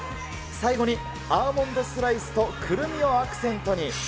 最後にアーモンドスライスとクルミをアクセントに。